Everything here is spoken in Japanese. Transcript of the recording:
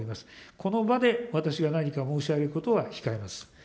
この場で私が何か申し上げることは控えます。